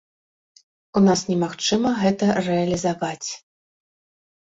У нас немагчыма гэта рэалізаваць.